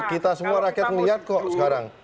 kita semua rakyat melihat kok sekarang